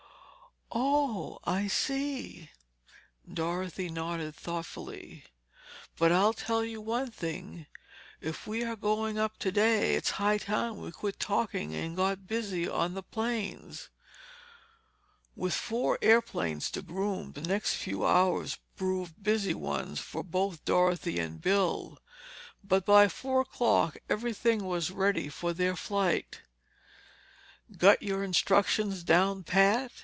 "Oh, I see," Dorothy nodded thoughtfully. "But I'll tell you one thing. If we are going up today, it's high time we quit talking and got busy on the planes." With four airplanes to groom, the next few hours proved busy ones for both Dorothy and Bill. But by four o'clock everything was ready for their flight. "Got your instructions down pat?"